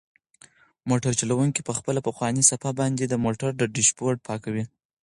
موټر چلونکی په خپله پخوانۍ صافه باندې د موټر ډشبورډ پاکوي.